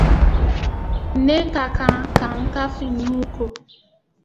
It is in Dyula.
N ka kan ka n ka finiw ko.